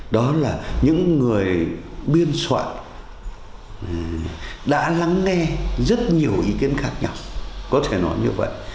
đó là những người biên soạn đã lắng nghe rất nhiều ý kiến khác nhau có thể nói như vậy